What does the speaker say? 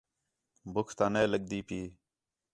ٻُکھ تانے لڳدی ٻیٹھی